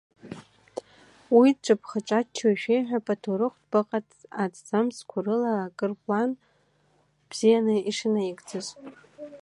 Уи дҿаԥха-ҿаччо ишәеиҳәап аҭоурыхтә баҟа аҭӡамцқәа рыла акыр аплан бзианы ишынаигӡаз.